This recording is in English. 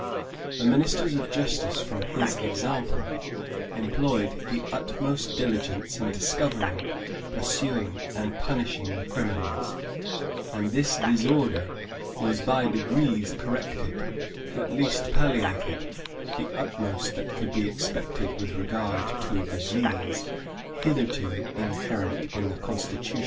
The ministers of justice, from his example, employed the utmost diligence in discovering, pursuing, and punishing the criminals; and this disorder was by degrees corrected, at least palliated; the utmost that could be expected with regard to a disease hitherto inherent in the constitution.